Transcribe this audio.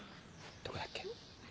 どこだっけ？